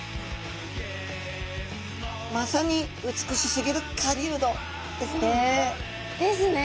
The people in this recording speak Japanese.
まさに「美しすぎる狩人」ですね。